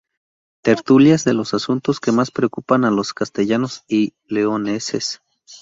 Tertulias de los asuntos que más preocupan a los castellanos y leoneses.